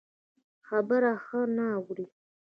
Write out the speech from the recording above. خبره ښه نه اوري.